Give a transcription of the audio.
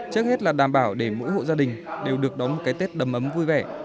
trước hết là đảm bảo để mỗi hộ gia đình đều được đóng một cái tết đầm ấm vui vẻ